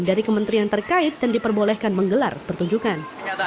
dari kementerian terkait dan diperbolehkan menggelar pertunjukan